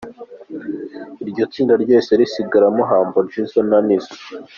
Iryo tsinda ryahise risigaramo Humble Jizzo na Nizo.